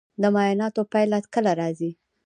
د معایناتو پایله کله راځي؟